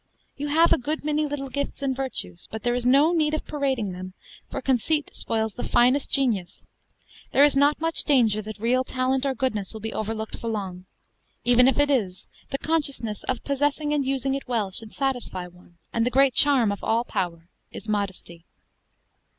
You have a good many little gifts and virtues, but there is no need of parading them, for conceit spoils the finest genius. There is not much danger that real talent or goodness will be overlooked long; even if it is, the consciousness of possessing and using it well should satisfy one, and the great charm of all power is modesty."